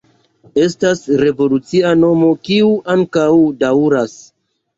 Estas revolucia nomo, kiu ankaŭ daŭras.